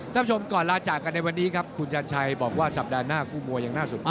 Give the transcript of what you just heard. ท่านผู้ชมก่อนลาจากกันในวันนี้ครับคุณชาญชัยบอกว่าสัปดาห์หน้าคู่มวยยังน่าสนใจ